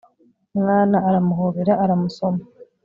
mwana aramuhobera aramusoma